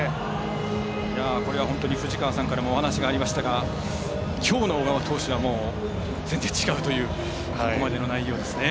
これは本当に藤川さんからもお話がありましたがきょうの小川投手は全然違うというここまでの内容ですね。